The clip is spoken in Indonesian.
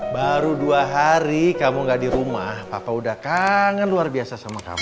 baru dua hari kamu gak di rumah papa udah kangen luar biasa sama kamu